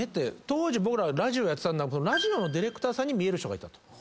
当時僕らラジオやっててそのラジオのディレクターさんに見える人がいたと。